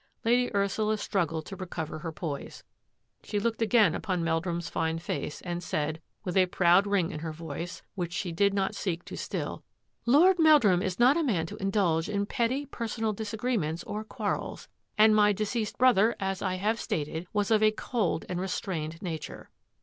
Lady Ursula struggled to recover her poise. She looked again upon Meldrum's fine face and said, with a proud ring in her voice which she did not seek to still, " Lord Meldrum is not a man to indulge in petty personal disagreements or quar rels; and my deceased brother, as I have stated, was of a cold and restrained nature."